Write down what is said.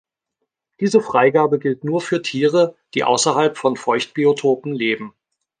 Diese Freigabe gilt nur für Tiere, die außerhalb von Feuchtbiotopen leben.